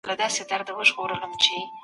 حق د باطل پر وړاندي لکه ډېوه ده.